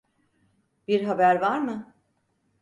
Bir haber var mı?